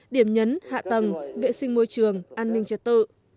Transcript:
điểm nhấn hạ tầng vệ sinh môi trường an ninh trật tự